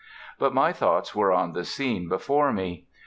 But my thoughts were on the scene before me.